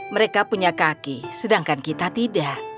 mereka punya kaki sedangkan kita tidak